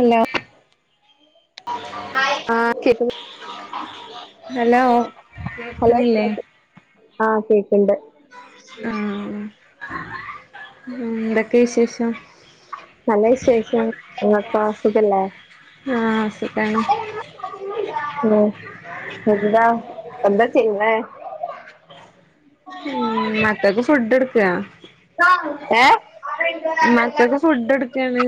ഇല്ല [inaudible] ആ hello hello കേൾക്കുന്നില്ലേ ആഹ കേ- ഇണ്ട് [inaudible] ആഹ് എന്തൊക്കെ വിശേഷം നല്ല വിശേഷം നിങ്ങക്കോ സുഖംഅല്ലേ ആഹ് സുഖാണ് എന്താ എന്ത പിന്നെ ഉം മക്കക്ക് ഫുഡ് എടുക്കയാ ഏ മക്കൾക്ക് ഫുഡ് എടുക്കയാണ്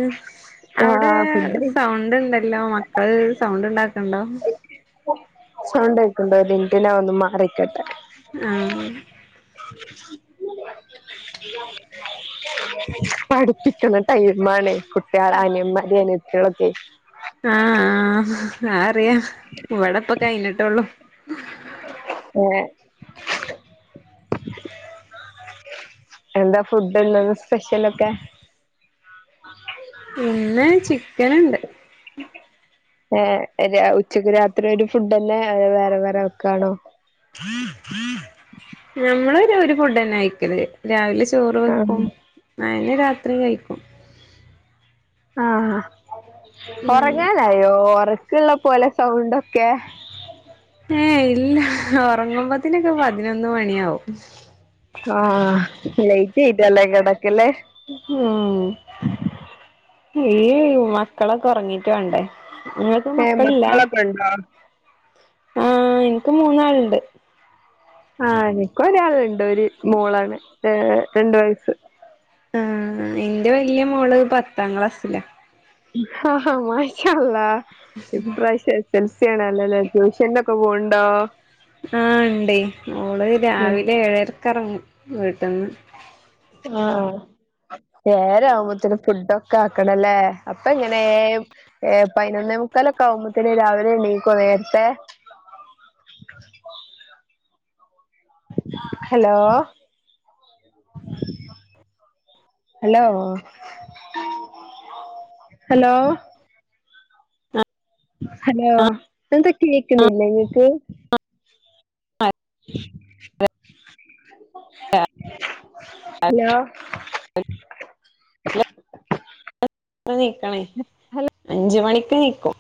ആ അവിടെ ഫുഡ് സൗണ്ട് ഉണ്ടല്ലോ മക്കള് സൗണ്ട് ഉണ്ടാക്കണ്ടോ [inaudible] സൗണ്ട് ആയിട്ടുണ്ടോ ഇറ്റി [unintelligible] ന ഒന്ന് മാറി നിൽക്കട്ടേ ആഹ് പഠിപ്പിക്കണ ടൈമാണേ കുട്ടികൾ അനിയമരനിയ ട്ടികളൊക്കെ ആഹ് ആഹ് ഇവിടെപ്പ കഴിഞ്ഞിട്ടെ ള്ളു ള്ളു ഒ എന്താ ഫുഡ്ന്ന് സ്പെഷ്യലൊക്കെ പിന്ന ചിക്കന്ണ്ട് ഏ ര ഉച്ചക്ക് രാത്രി ഒരു ഫുഡ് തന്നെ വേറെ വേറെ വെക്കാണോ നമ്മള് ഒരു ഫുഡന്നെ കയിക്കല് രാവിലെ [unintelligible] ചോറ് വെക്കും അയിന്നെ രാത്രി കഴിക്കും ആഹ ഉം ഒറങ്ങാനായോ ഒർ ള്ള പോലെ സൗണ്ടൊക്കെ ഏ ഇല്ല ഉറങ്ങുമ്പത്തിനൊക്കെ പതിനൊന്ന് മണിയാവും ആഹ് ലൈറ്റ് ഇട്ടല്ലാം എ കടക്കല്ലേ ഉം ഈ മക്കളൊക്കെ ഉറങ്ങീട്ട് വേണ്ടേ നിങ്ങൾക്ക് ഏ മക്കളോക്കെയുണ്ടോ ആ എനിക്ക് മൂന്നാളുണ്ട് ആ എനിക്കും ഒരാളുണ്ട് ഒരു മോളാണ് ഏ രണ്ട് വയസ്സ് ആ എന്റെ വല്യ മോള് പത്താം ക്ലാസില ഹാ ഹാ മാഷാ അ ള്ളാ ഇപ്രാവശ്യ എ സെൽസിയണ അല്ലല്ല ട്യൂഷന്റെ ഒക്ക പോണ്ട ആ ഉണ്ട് ഓള് രാവിലെ ഏഴര കിറങ്ങി വീട്ടിന്ന് ആ വേറെ ആവുമ്പോത്തേന ഫുഡൊക്കെ ആക്കണല്ലേ അപ്പൊ ഇങ്ങനെ ഏ പതിനൊന്നേ മുക്കാലൊക്കെ ആവുമ്പോത്തേന രാവിലെ എണീക്കോ നേരത്തെ ഹലോ ഹലോ ഹലോ ഹലോ എന്ത കേക്കുന്നില്ല നിങ്ങക്ക് ആ ഹലോ നീക്കണേ അഞ്ചു മണി പിക്കും